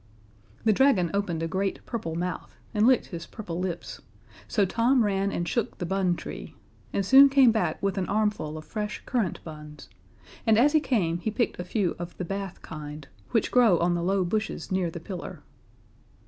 The dragon opened a great purple mouth and licked his purple lips, so Tom ran and shook the bun tree, and soon came back with an armful of fresh currant buns, and as he came he picked a few of the Bath kind, which grow on the low bushes near the pillar.